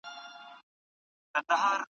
رسنۍ د خلکو د غږ په رسولو کې مرسته کوي.